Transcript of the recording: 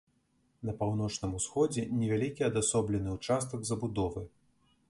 На паўночным усходзе невялікі адасоблены ўчастак забудовы.